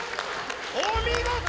お見事！